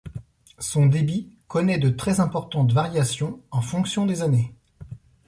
Son débit connait de très importantes variations en fonction des années.